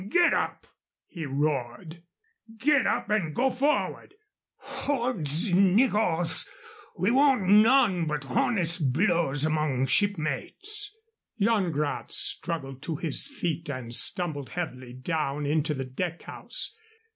"Get up!" he roared. "Get up an' go forward. Hods niggars! we want none but honest blows among shipmates." Yan Gratz struggled to his feet and stumbled heavily down into the deck house.